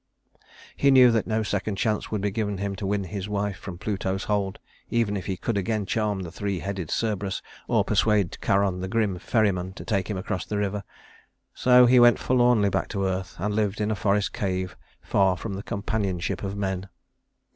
He knew that no second chance would be given him to win his wife from Pluto's hold, even if he could again charm the three headed Cerberus or persuade Charon, the grim ferryman, to take him across the river. So he went forlornly back to earth and lived in a forest cave far from the companionship of men.